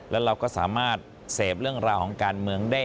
แล้วเราก็สามารถเสพเรื่องราวของการเมืองได้